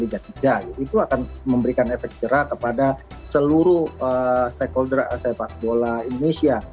itu akan memberikan efek jerah kepada seluruh stakeholder sepak bola indonesia